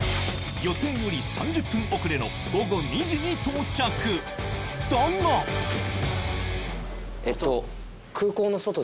予定より３０分遅れの午後２時に到着だがえっと。